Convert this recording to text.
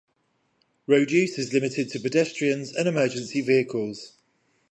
Road use is limited to pedestrians and emergency vehicles.